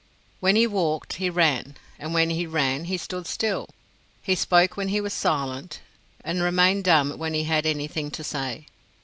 When he walked he ran, and when he ran he stood still. He spoke when he was silent and remained dumb when he had anything to say.